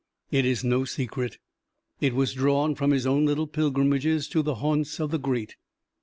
It is no secret. It was drawn from his own little pilgrimages to the haunts of the great.